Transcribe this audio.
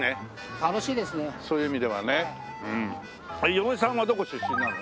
嫁さんはどこ出身なの？